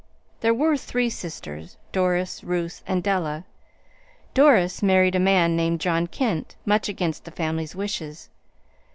"There were three sisters, Doris, Ruth, and Della. Doris married a man named John Kent, much against the family's wishes.